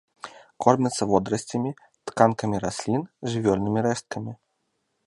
Кормяцца водарасцямі, тканкамі раслін, жывёльнымі рэшткамі.